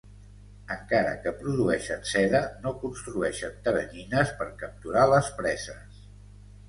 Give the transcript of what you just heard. Encara que produeixen seda, no construeixen teranyines per capturar les preses.